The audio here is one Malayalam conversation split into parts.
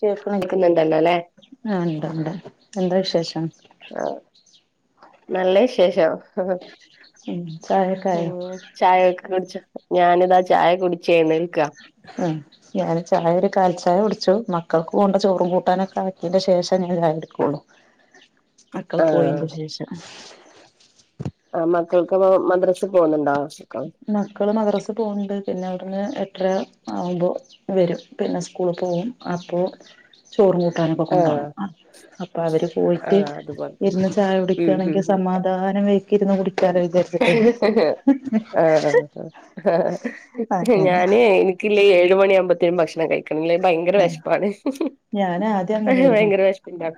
കേക്ക്ണില്ലേ, കേക്കുന്നുണ്ടല്ലോ അല്ലെ ആ ഉണ്ട് ഉണ്ട് എന്താ വിശേഷം? ആ നല്ല വിശേഷം ചായൊക്കെ ആയോ? ഉം ചായയൊക്കെ കുടിച്ച് ഞാനിതാ ചായ കുടിച്ചെയ്ന്നേക്കാ ആ ഞാൻ ചായ ഒരു കാൽച്ചായ കുടിച്ചു മക്കൾക്ക് കൊണ്ട് ചോറും കൂട്ടാനൊക്കെ ആക്കിയന്റെ ശേഷം ഞങ്ങള് ചായ കുടിക്കുള്ളു [inaudible] മക്കള് ആ പോയിന്റെ ശേഷം ആ മക്കൾക്ക് മദ്രസിൽ പോകുന്നുണ്ടോ ആ മക്കള് മദ്രസ്സ് പോവ്ണ്ട് പിന്നെ അവിടുന്ന് എട്ടര ആവുമ്പോ വരും പിന്നെ സ്കൂള് പോവും അപ്പോ ചോറും കൂട്ടാനൊക്കെ ആ കൊണ്ടുപോണം. അപ്പൊ അവര് ആ പോയിട്ട് അതുപോലത്തെ ഇരുന്ന് ചായ ഉം ഉം കുടിക്കാണെങ്കിൽ ഉം സമാധാനമായി ഇരുന്ന് കുടിക്കാലൊ വിചാരിച്ചിട്ടെ ആ അങ്ങനെ ഞാന് എനിക്കില്ലെ ഏഴ് മണി ആവുമ്പോത്തേനും ഭക്ഷണം കഴിക്കണം ഇല്ലേൽ ഭയങ്കര ആ വെഷ്പ്പാണ് ഞാൻ ആദ്യം പക്ഷെ അങ്ങനെയായിരുന്നു ഭയങ്കര വെഷപ്പിന്റെ ആളാ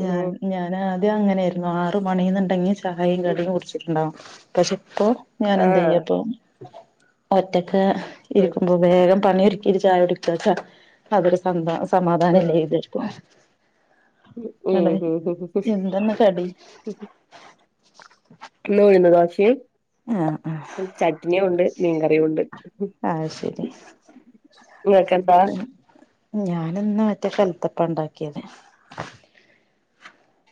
ഞാൻ ഞാനാദ്യം അങ്ങനെ ആയിരുന്നു ആറ് മണീന്ന്ണ്ടെങ്കി ചായയും ഉം കടിയും കുടിച്ചിട്ടുണ്ടാവും. പക്ഷെ ഇപ്പോ ഞാൻ ആ എന്താ ചെയ്യപ്പൊ ഒറ്റക്ക് ഉം ഇരിക്കുമ്പോ വേഗം പണി ഒരുക്കിട്ട് ചായ കുടിക്ക അതൊരു സന്ത സമാധാനല്ലെ എതെക്കും ഉ ഹ് ഹ് എന്തെന്ന് കടി ഇന്ന് ഉഴുന്ന് ദോശിം ആഹ് ആഹ് ചട്നിയും ഉണ്ട്, മീൻകറിയും ഉണ്ട് അത് ശരി ഇങ്ങക്കെന്താ ഞാനിന്ന് മറ്റേ കൽത്തപ്പ ഇണ്ടാക്കിയത്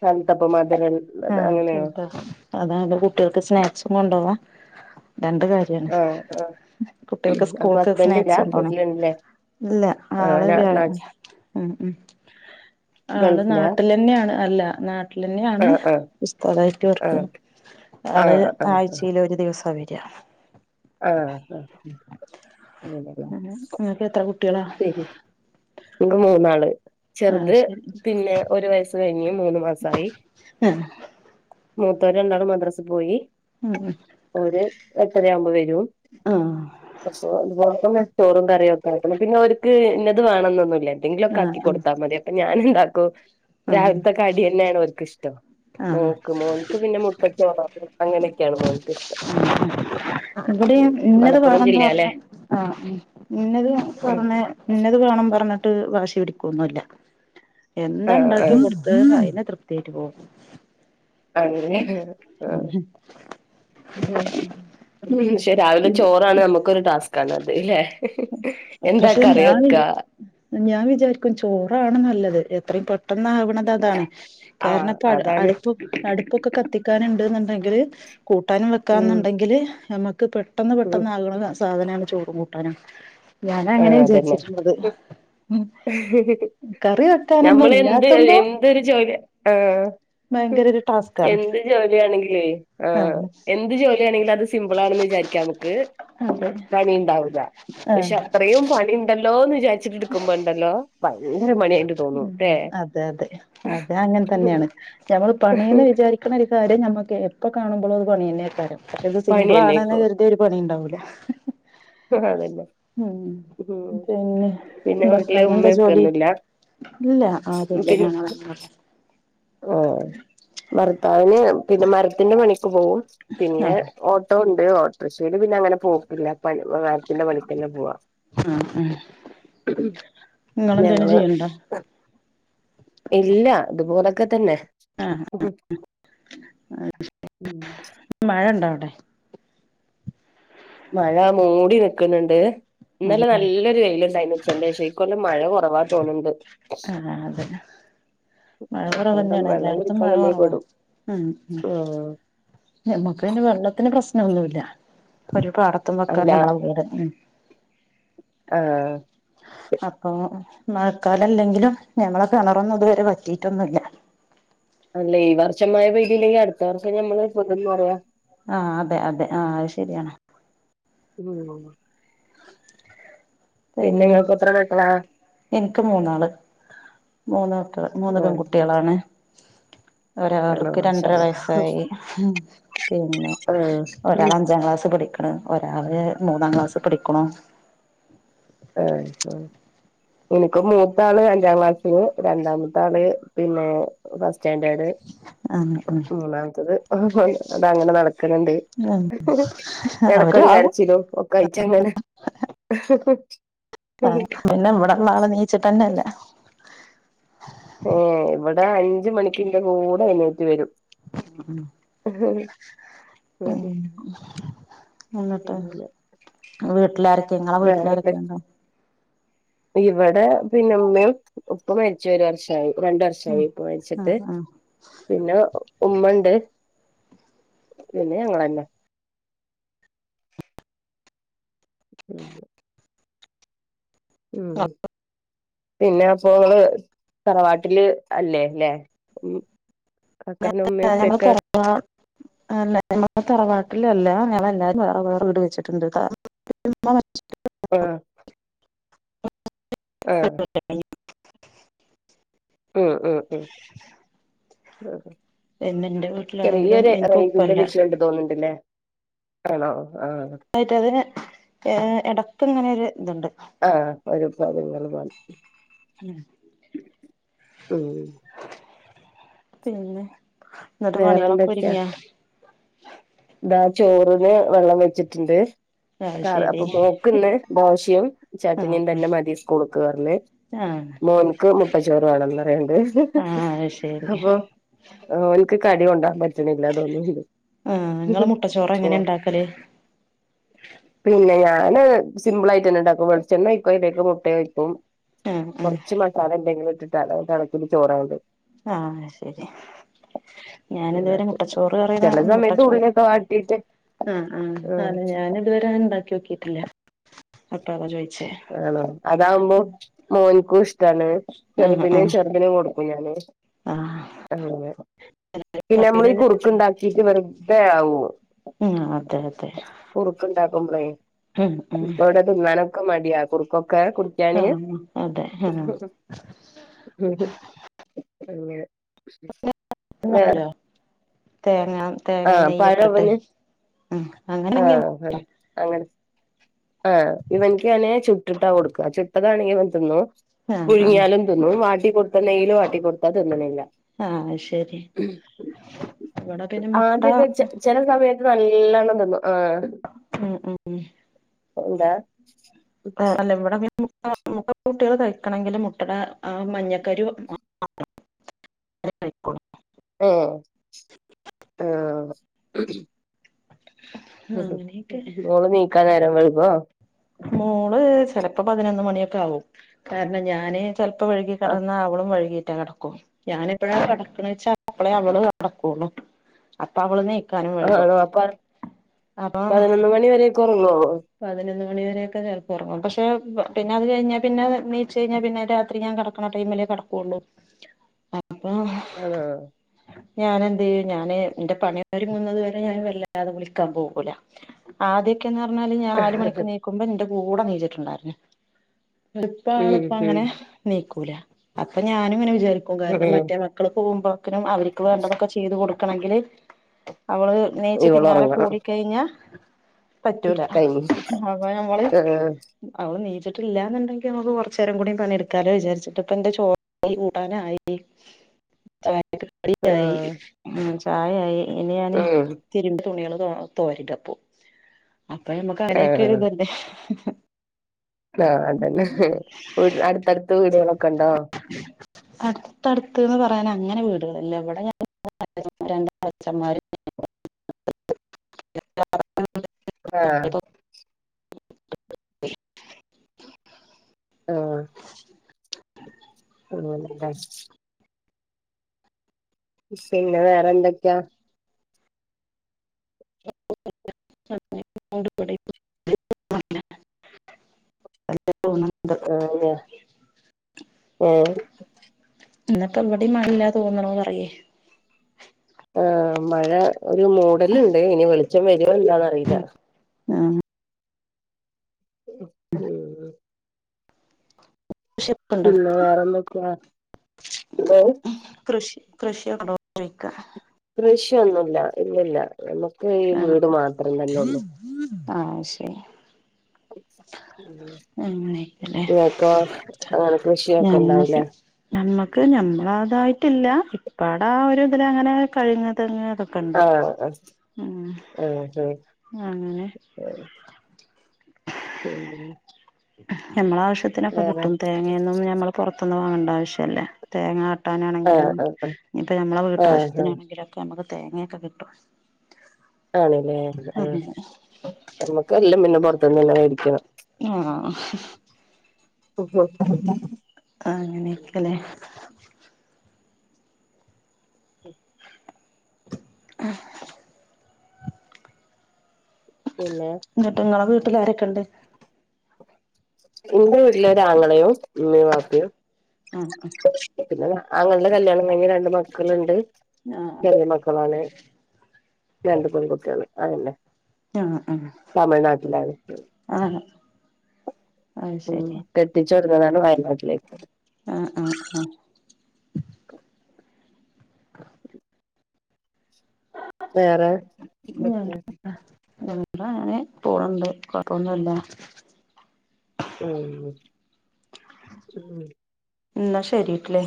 കൽത്തപ്പം മധരൽ ആഹ് കൽത്തപ്പം അതാ യാ കുട്ടിയാക്ക് സ്നാക്സും കൊണ്ടുപോവാ രണ്ട് കാ ര്യാണ് ആഹ് ആഹ് കുട്ടിയാക്ക് അപ്പൊ സ്കൂൾക്ക് ഹസ്ബൻഡില്ല സ്നാക്സ് കൊണ്ടോണെ വീട്ടിലുണ്ടല്ലേ ഇല്ല ആഹ് നാളെ നാ വ്യാഴം നാട്ടി ഉം ഉം ആള് ഗൾഫിലാ നാട്ടിലെന്നെയാണ് അല്ല നാ ട്ടിലെന്നെയാണ് ആഹ് ആഹ് ഉസ്താദായിട്ട് വർക്ക്‌ ആഹ് ചെയ്യാണ് ആള് ആഹ് ആഹ് ആയ്ചേ ല് ഒരു ദിവസാ വെരാ ആഹ് ആഹ് അങ്ങനെല്ലെ ഇങ്ങക്ക് എത്ര കുട്ടിയാളാ [unintelligible] ഇന്ക്ക് മൂന്നാള് ആഹ് ചെർത് ശരി പിന്നെ ഒരു വയസ്സ് കഴിഞ്ഞ് മൂന്ന് മാസായി ആഹ് മൂത്തോര് രണ്ടാളും മദ്രസ്സ് പോയി ഉം ഉം ഓര് എട്ടരയാവുമ്പോ വരും ആഹ് അപ്പൊ ഇതുപോലെ തന്നെ ചോറും കറിയൊക്കെ വെക്കണം പിന്നെ ഓർക്ക് ഇന്നത് വേണംന്നൊന്നുംല്ല എത്തെങ്കിലു ഒക്കെ ആക്കി ആഹ് കൊട്ത്താ മതി അപ്പൊ ഞാനെന്താക്കും ആഹ് രാവില്ത്തെ കടി തന്നെയാണ് ഓര്ക്ക് ഇഷ്ടം ആഹ് ആഹ് മോക്ക് മോൻക്ക് പിന്നെ മുട്ട ചോറോ അങ്ങനെയൊക്കെയാണ് മോൻക്ക് ഇഷ്ടം ഉം ഇവിടെയെം. ഇന്നത് മലപ്പുറം വേറെന്താ ജില്ലയാല്ലേ പറഞ്ഞ് ആ മ്മ് മിന്നത് ഉം പൊറമെ.. ഇന്നത് വേണം പർഞ്ഞിട്ട് വാശി പിടികൊന്നില്ല ആഹ് എന്താണ്ടാകി ആഹ് കൊട് ഹ് അയിന ത്യപ്തിയായിട്ട് പോവും അങ്ങനെണ് ആഹ് ഉം ഷെ രാവിലെ ചോറാണ് നമ്മുക്കൊരു ടാസ്കാണത് ലെ പക്ഷെ ഞാൻ എന്താക്കറിവെക്ക വിചാ ഞാൻ വിചാരിക്കും ചോറാണ് നല്ലത് എത്രേം പെട്ടെന്നാവ്ണത് അതാണ് കാരണം ആഹ് ഇപ്പ അ അതാണ് അടുപ്പ് അടുപ്പൊക്കെ കത്തിക്കാന്ണ്ട് ന്നുണ്ടെങ്കില് കൂട്ടാനും ഉം വെക്കാെന്ന്ണ്ടെങ്കില് നമുക്ക് പെട്ടെന്ന് ഉം പെട്ടെന്ന് ആകണ സാധനാണ് ചോറും കൂട്ടാനും. ഞാനങ്ങനെ വിചാരിച്ചിട്ടുള്ളത്.. കറി വെക്കാനൊന്നും നമ്മള് എന്ത് ഇല്ലാത്തുമ്പോ എന്തൊരു ജോലി ആഹ്.. ഭയങ്കര ഒരു ടാസ്കാണ് എന്ത് ജോലിയാണെങ്കിലെ ആഹ് എന്ത് ജോലിയാണെങ്കിലെ അത് സിംബിളാണെന്ന് വിചാരിക്കാവു ക്ക്‌ അതെ പണിണ്ടാവുലാ പഷെ ആഹ് അത്രയും പണി ഇണ്ടല്ലോന്ന് വിചാരിച്ചിട്ട് ടുക്കുമ്പോണ്ടല്ലോ ഉം ഉം അതെ അതെ അതെ അങ്ങൻ തന്നെയാണ് ഞമ്മള് പണീന്ന് വിചാരി ക്ണ ഒരു കാര്യം നമക്ക് എപ്പൊ കാണുമ്പോളും അത് പണിന്നെകാരം. അത് പണി സിമ്പിളാണ്ന്ന് തന്നെക്കോ കെർ ഒരു പണിണ്ടാവൂല അതന്നെ ഉം ഉം പിന്നെ പിന്നെ വീട്ടില് ഭർത്താവിനെന്താ ഉമ്മയും ഉപ്പയും ജോലി ഒന്നുമില്ല ഇല്ല ആരുല്ല ഞ പിന്നെ [unintelligible] ആഹ് ഭർത്താവിന് പിന്നെ മരത്തിന്റെ പണിക്ക് പോവും പിന്നെ ആഹ് ഓട്ട് ട്ടൊണ്ട് ഓട്ടോറിഷീല് പിന്നെ അങ്ങനെ പോക്കില്ല പ്പ മർത്തിന്റെ പണികെന്നെ പോവാ. ഉം നിങ്ങെളന്തേലും ഞങ്ങള് ചെയ്യ് ഇല്ല ഇതുപോലൊക്കെതന്നെ. ആഹ് ആഹ് മഴണ്ടോഅവിടെ മഴ മൂടി നിക്ക്ണ് ണ്ട് ഉം ഇന്നലെ നല്ലൊരു വെയിലുണ്ടായിരുന്നു. ഉചന്റെഷേ ഇക്കൊല്ലം മഴ കൊറവാ തോന്ന്ണ്ട്. ആഹ് അതെ മഴ കുറവ് അട്തൊല്ലം തന്നെയാണ് വെള്ളം എല്ലായിടത്തും കുടിക്കാൻ മഴ നമ്മൾ കുറവാ പെടും ആഹ് ഞമ്മക്കയ്ന് വെള്ളത്തിന് പ്രശ്നൊന്നുല.. ഒരു പാടത്തു അല്ല വക്കാണ് ഞമ്മളെ വീട് ഉം ആഹ് അപ്പൊ മഴക്കാലല്ലെങ്കിലും ഞങ്ങളെ കെണറോന്നുതുവരെ വറ്റിട്ടൊന്നുല്ല. അല്ലേ ഈ വർഷമയ പെയ്തീലങ്കി അടുത്ത വർഷം ഞമ്മള് പെടുന്ന് അറിയ. ആഹ് അതെ അതെ ആഹ്. ശരിയാണ്.. [unintelligible] പിന്നെ ഇങ്ങൾക്ക് എത്ര മക്കളാ.. ഇൻക്ക് മൂന്നാള് മൂന്നമക്കള് മൂന്ന്‌ ആഹ് പെൺകുട്ടിളാണ്. ആണോ ഒരോർക്ക് മാഷാ രണ്ടര അല്ലാഹ് വയസായി ഹും പിന്നെ. ആഹ് ഒരാൾ അഞ്ചാം ക്ലാസ് പടിക്ണ് ഒരാള് മൂന്നാം ക്ലാസ് പടികുണു. ഏഹ് പ്പൊ. ഇന്ക്കും മൂത്താള് അഞ്ചാം ക്ലാസ്സിലു രണ്ടാമത്താള് പിന്നെ. ഫസ്റ്റാൻഡേട്. ആങ്ങെകു [unintelligible] മൂന്നാമത്തത് അഹ് [unintelligible] അങ്ങനെ നടക്ണ് ണ്ട് ഉം അവര് എടക്കൊരു ആകും കരച്ചിലും ഒക്കായിറ്റങ്ങനെ ആഹ് പിന്നെ ഇവിടെള്ളആള് നീച്ചിട്ടെന്നെല്ല. ഏഹ് ഇവിടെ അഞ്ചു മണിക്കിന്റെ കൂടെ എണീറ്റ് വരും. ഉം [unintelligible] ങ്ങ വീട്ടിലാരൊ [unintelligible] ഇവടെ പിന്നെമ്മേം ഉപ്പമ ച്ചു ഒരുവർഷായി രണ്ട് വർഷായി ഇപ്പ മരിച്ചിട്ട് ആഹ് ആഹ് പിന്നെ ഉമ്മണ്ട് പിന്നെ ഞങ്ങളന്നെ ഉം ഉം പിന്നെ അപ്പോള് തറവാട്ടില് അല്ലേല്ലേ ഉം കാക്കൻ്റെ ഉമ്മേ ഉപ്പേക്കെ ആഹ് അല്ല ഞങ്ങൾ തറവാട്ടിലല്ല ഞങ്ങള് എല്ലാരും വേറെ വേറെ വീട് വെച്ചിട്ടുണ്ട്ട്ടോ ആഹ് ആഹ് [unintelligible] ഉം ഉം ഉം അഹ് പിന്നെ ഇന്റെ വീട്ടിലാണെങ്കിലും ചെറിയൊരു എനിക്ക് റേയിഞ്ചിന്റെ ഉപ്പല്ല വിശയണ്ട് തോന്നുണ്ടില്ലേ ആണോ ആഹ് ആയ്ട്ടതിന് ഏഹ് എടക്ക്ങ്ങനെ ഒരു ഇതുണ്ട് ആഹ് ഇപ്പവരും [unintelligible] ഉം ഉം പിന്നെ ഇന്നത്തെ പണികളെക്കെ വേറെന്തൊക്കെയാ ഒരൂങ്ങിയോ ഇതാ ചോറിന് വെള്ളം വെച്ചിട്ടുണ്ട് അത് കാ ശരി അപ്പം മോക്ക് ഇന്ന് ദോശയും ആഹ് ചട്ടിനിയും തന്നെ മതി സ്കൂൾക്ക് അർഞ്ഞ് ആഹ് മോൻക്ക് മുട്ടച്ചോറ് വേണന്ന് പറയ്ണ്ട് ആഹ് അത് ശരി അപ്പൊ ഓൻക്ക് കടി കൊണ്ടആൻ പറ്റണില്ലാ തോന്ന്ണ്ട് ആഹ് നിങ്ങള് മുട്ടച്ചോറ് എങ്ങനെ ഇണ്ടാക്കല് പിന്നെ ഞാന് സിമ്പിളായിട്ടന്നെ ണ്ടാക്കും വെളെണ്ണ ഒഴിക്കും അതിലേയ്ക്ക് മുട്ട ഒഴിക്കും ആഹ് ആഹ് കുറച്ച് മസാല എന്തെങ്കിലും ഇട്ടിട്ടാട്ടോ കണക്കിന് ചോറാണ്ട് ആഹ് ശെരിയ ഞാന് ഇതുവരെ അങ്ങനാക്കും മുട്ടച്ചോറ് കറിന്ന് ചില മുട്ട സമയത്ത് ചോറും ഉള്ളിയൊക്കെ വാട്ടിയിട്ട് ആഹ് ആഹ് ഉം അതെ ഞാന് ഇതുവരെഅഹ് ഇണ്ടാക്കി നോക്കിട്ടില്ല ന്നട്ടാപൊ ചോയ്ചേ ആണോ അതാവുമ്പോ മോൻക്കും ഇഷ്ടാണ് ആഹ് ചെറുതിന് ആഹ് ചെറുതിന് കൊടുക്കും ഞാന് ആഹ് അങ്ങനെ പിന്നെ ഞമ്മള് ഈ ണത് കുറുക്ക് ഉണ്ടാക്കീട്ട് വെറുതെ ആവും ഉം അതെ അതെ കുറുക്ക് ഉണ്ടാക്കുമ്പളേ ഉം ഉം ഇപ്പ തിന്നാനൊക്കെ മടിയാ കുറക്കൊക്കെ ആഹ് അതെ മം അങ്ങനെ വേറെ വെള്ളത്തിലോ തേങ്ങ, തേങ്ങയും ആഹ് നെയ്യ് ഒക്കെ ഇട്ട്. പഴവന് ഉം അങ്ങനെണെങ്കി അങ്ങൻ ആഹ് ഇവൻക്കാണെ ചുട്ടിട്ടാ കൊട്ക്ക് ചുട്ടതാണെങ്കി ഇവൻ തിന്നും. ആഹ് ആഹ് പുഴുങ്ങിയാലും തിന്നും. വാട്ടി കൊടുത്ത നെയ്യില് വാട്ടി കൊടുത്ത തിന്ന്ണില്ല. അഹ് ശെരി, ഇവിടെ പിന്നെ മുട്ട ആദ്യൊക്കെ ചെ ചെല സമയത്ത് നല്ലോണം തിന്നും. ആഹ്, മ് മ് എന്താ? ആഹ്, അല്ല ഇവിടെ പിന്നെ മുട്ട മുട്ട കുട്ടിയള് കഴിക്കണെങ്കിൽ മുട്ടടെ ആ മഞ്ഞക്കരുവ് ഉം കയ്ക്കും. ഏഹ്, ആഹ് അങ്ങനെയൊക്കെ മോള് നീക്കാൻ നേരം വെയ്കോ? മോള് ചെലപ്പോ പതിനൊന്ന് മണിയൊക്കെ ആവും. കാരണം ഞാന് ചെൽപ്പ വെയികി ആഹ് കെടന്ന അവളും വൈകീട്ടാ കെടക്കൂ. ഞാനെപ്പളാ കെടക്ക്ണെ വെച്ചാ അപ്പളേ അവള് കെടക്കുള്ളു. അപ്പ അവള് നീക്കാനും വൈകും. ആണോ പ അപ്പം കൊറയോ? പതിനൊന്ന് മണി വരെയൊക്കെ ചേലെപ്പൊറങ്ങും. പക്ഷേ, പിന്നെ അത് കഴിഞ്ഞാ പിന്ന നീച്ചഴിഞ്ഞാൽ പിന്നെ രാത്രി ഞാൻ കട ക്കണ ടൈമ്ലേ കടക്കുള്ളൂ. ആണോ [unintelligible] ഞാനെന്തെയ്യും ഞാന് എന്റെ പണി ഒന്നൊരുങ്ങന്നത് വരെ ഞാൻ വല്ലാതെ വിളിക്കാൻ പോകൂല. ആദ്യയൊക്കെ ന്നർഞ്ഞാല് നാല് മണിക്ക് നീക്കുമ്പോ എന്റെ കൂടെ നീച്ച് ട്ട്ണ്ടായിര്ന്ന്. ഇങ്ങട്ട് ഇപ്പ ആള് ഉം ഇപ്പ ഉം അങ്ങനെ നീക്കൂല. അപ്പ ഞാന് ഇങ്ങനെ വിചാരിക്കും കാരണം ഉം മറ്റേ മ ക്കള് പോവുമ്പോക്കിനും അവര്ക്ക് വേണ്ടതൊക്കെ ചെയ്ത് കൊടുക്കണെങ്കില് അവള് നീച്ച് പിന്നാലെ ഇവളൊറങ്ങണം കൂടികഴിഞ്ഞാ പറ്റൂല. കഴിഞ്ഞ് അപ്പൊ നമ്മള് ആഹ് അവള് നീച്ചിട്ടില്ലാന്ന്ണ്ടെങ്കി നമക്ക് കൊർച്ചേരം കൂടി പണിയെടുക്കാലോ വിചാരിച്ചിട്ട് ഇപ്പന്റെ ചോ [unintelligible] കൂട്ടാന ആയിനി. ചായക്ക് കടിയായി. ആഹ് ചായയായി ഇനി ഞാന് ഉം തിരുമ്പിയ തുണികള് തോ തോരട് ഇപ്പോ. അപ്പൊ നമ്മക്ക് അങ്ങനെയൊക്കെ ആഹ് ഒര് ഇത് ഇല്ലേ. ആ അതന്നെ ഇഹ്, അടുത്തട്ത്ത് വീടുകളൊക്കെണ്ടോ? അട്ത്തട്ത്ത്ന്ന് പറയാന അങ്ങനെ വീടുകളില്ല ഇവിടെ ഞാ [unintelligible] രണ്ട് അച്ഛൻമാര് ആഹ് ആഹ് [unintelligible] പിന്നെ വേറെന്തെക്കെയാ? [inaudible] അങ്ങനെയൊക്കെ പോവുണ്ട് ഇബടിം. [unintelligible] [unintelligible] ഏഹ് ഇന്ന്പ്പോ ഇവിടെയും മഴ ഇല്ലാ തോന്ന്ണ് പറയ്. ആഹ് മഴ ഒരു മൂടല്ണ്ട്. ഇനി വെളിച്ചം വരോ എന്താന്ന് അറീല. മ് കൃഷിയൊക്കെ ഉണ്ടോ പിന്ന വേറെന്തൊക്കയാ? എന്താണ്? കൃഷി ആണോ ചോയിക്ക്. കൃഷിയൊന്നുല്ല ഇല്ലല്ല. നമുക്ക് ഈ ആഹ് വീട് മാത്രം തന്നെ ഒള്ളു. ആഹ് ശരി ഉം അങ്ങനെയൊക്കെല്ലേ ഇങ്ങക്കൊ അങ്ങനെ കൃഷിയൊക്കെണ്ടാവൂലേ? നമ്മക്ക് ഞമ്മളതായിട്ടില്ല ഇപ്പടാ ഒരു ഇതില് അങ്ങനെ കഴ്ങ്ങ് തെങ്ങ് അതൊക്കെ ഉണ്ട് ആഹ് ആഹ് ഉം ആഹ് ആഹ് അങ്ങനെ ആഹ് [unintelligible] ഞമ്മളെ ആവശ്യത്തിനൊക്കെ വേറെ കിട്ടും തേങ്ങയൊന്നും ഞമ്മള് പൊറത്ത്ന്ന് വാങ്ങണ്ട ആവശ്യല്ല. തേങ്ങ ആഹ് ആട്ടാനാണെങ്കിലും ആഹ് ഇപ്പ നമ്മളെ ആഹ് ആഹ് വീട്ടാവശ്യത്തിനാണെങ്കിലൊക്കെ നമക്ക് തേങ്ങക്കെ കിട്ടും. ആണ് ലേ ആഹ് അങ്ങനെ നമ്മുക്ക് എല്ലും പിന്നെ പൊറത്ത്ന്നന്നെ മേടിക്കണം. ആഹ് ആഹ് ആഹ് അങ്ങനെക്കലേ ഉം പിന്നെ ഇന്നെട്ട് ഇങ്ങളെ വീട്ടിലാരെക്കെണ്ട്? ഇന്റെ വീട്ടില് ഒരാങ്ങളെയും ഇമ്മേം വാപ്പയും ആഹ് പിന്നെന്താ ആങ്ങളുടെ കല്യാണം കഴിഞ്ഞ് രണ്ട് മക്കള്ണ്ട്. ആഹ് ചെറ്യേ മക്കളാണ് രണ്ട് പെൺകുട്ട്യേള് അതന്നെ. ആഹ് ആഹ് തമിഴ്നാട്ടിലാണ് അതാണ് ഉം കെട്ടിച്ചോട്ന്നതാണ് വയനാട്ടിലേക്ക് ആഹ് ആഹ് ഉം വേറെ ഉം ഇങ്ങള്ക്കെത്താ ഞങ്ങള് അങ്ങനെ പോണ് ഇണ്ട് കൊഴപ്പൊന്നുല്ല [unintelligible] ഉം എന്നാ ശെരിട്ട്ലേ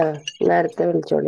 ആഹ് ഇന്നാ അട്ത്ത വിളിച്ചോളി